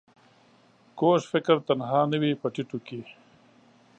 کوږ فکر تنها نه وي په ټيټو کې